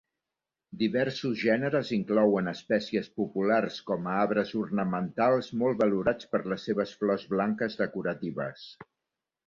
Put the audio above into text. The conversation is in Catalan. Diversos gèneres inclouen espècies populars com a arbres ornamentals molt valorats per les seves flors blanques decoratives.